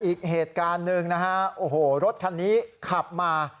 อีกเหตุการณ์หนึ่งนะฮะโอ้โหรถคันนี้ขับมา